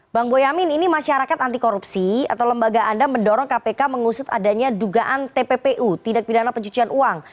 bang boyamin ini masyarakat anti korupsi atau lembaga anda mendorong kpk mengusut adanya dugaan tppu tindak pidana pencucian uang